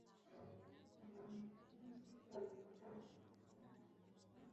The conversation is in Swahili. Kinyesi kuwa na minyoo na mayai ya minyoo hiyo